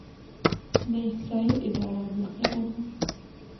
د احصایې اداره دقیقه ده؟